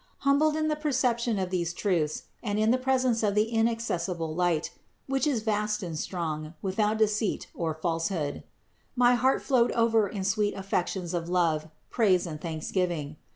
Humbled in the perception of these truths and in the presence of the inaccessible light, (which is vast and strong, without deceit or falsehood), my heart flowed over in sweet affections of love, praise and thanksgiving.